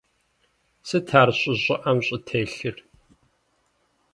Сыт ар щӀы щӀыӀэм щӀытелъыр?